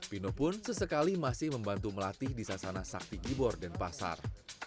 pino pun sesekali masih membantu melatih di sasana sakti gibor dan pasar